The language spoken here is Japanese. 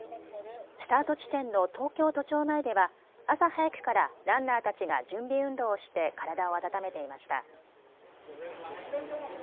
スタート地点の東京都庁前では朝早くからランナーたちが準備運動をして体を温めていました。